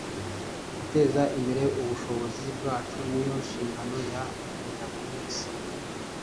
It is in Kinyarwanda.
Guteza imbere ubushobozi bwacu ni yo nshingano ya mbere ya buri wese